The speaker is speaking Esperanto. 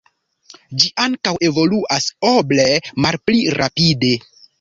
Ĝi ankaŭ evoluas oble malpli rapide.